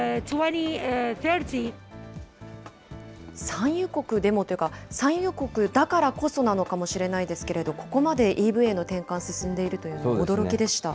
産油国でもというか、産油国だからこそなのかもしれないですけど、ここまでＥＶへの転換、進んでいるというのは驚きでした。